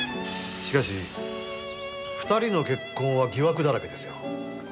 しかし２人の結婚は疑惑だらけですよ。